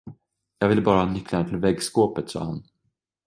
Jag ville bara ha nycklarna till väggskåpet, sade han.